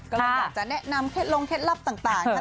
ก็เลยอยากจะแนะนำเคล็ดลงเคล็ดลับต่างนะครับ